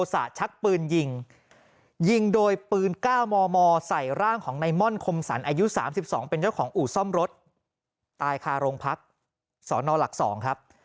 ศนหลัก๒ครับ